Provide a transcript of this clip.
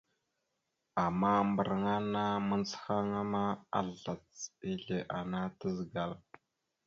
Ama mbəraŋa mandzəhaŋa ma, azlac ezle ana tazəgal.